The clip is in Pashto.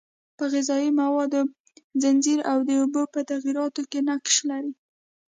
په غذایي موادو ځنځیر او د اوبو په تغییراتو کې نقش لري.